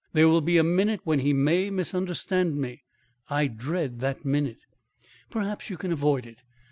There will be a minute when he may misunderstand me. I dread that minute." "Perhaps, you can avoid it.